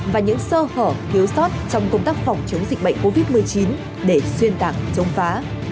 và những sơ hở thiếu sót trong công tác phòng chống dịch bệnh covid một mươi chín để xuyên tạc chống phá